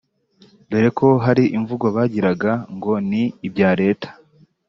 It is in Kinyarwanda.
dore ko hari imvugo bagiraga ngo ni ibya Leta